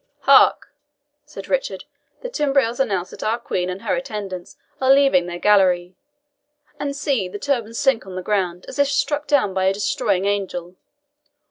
"Hark!" said Richard, "the timbrels announce that our Queen and her attendants are leaving their gallery and see, the turbans sink on the ground, as if struck down by a destroying angel.